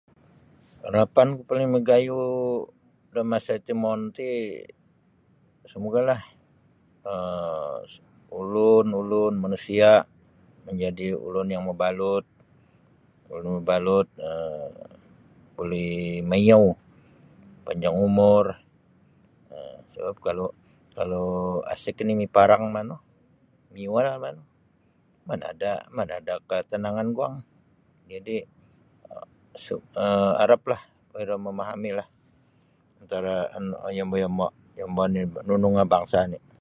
Harapanku paling magayuh da masa timoon ti semogalah um ulun-ulun manusia majadi ulun yang mabalut ulun mabalut um buli maiyou panjang umur um sabap kalau kalau asyik oni' miparang manu miyual manu mana ada mana ada' katanangan guang jadi' haraplah iro mamahami'lah antara yombo-yombo' yombo oni' nunu nga bangsa' oni'.